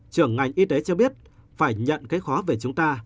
trưởng ngành y tế cho biết phải nhận cái khó về chúng ta